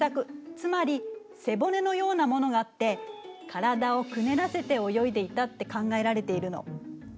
つまり背骨のようなものがあって体をくねらせて泳いでいたって考えられているの。